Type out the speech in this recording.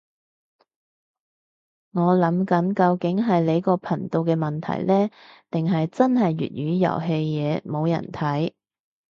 我諗緊究竟係你個頻道嘅問題呢，定係真係粵語遊戲嘢冇人睇